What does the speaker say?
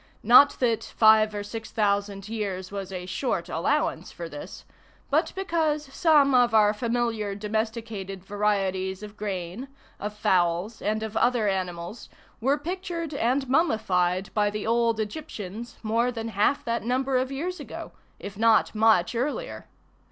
Not that five or six thousand years was a short allowance for this; but because some of our familiar domesticated varieties of grain, of fowls, and of other animals, were pictured and mummified by the old Egyptians more than half that number of years ago, if not much earlier.